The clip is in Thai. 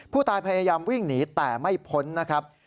พยายามวิ่งหนีแต่ไม่พ้นนะครับ